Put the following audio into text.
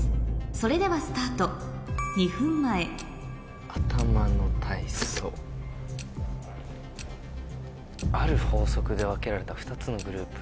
それではスタート２分前「ある法則で分けられた２つのグループ」。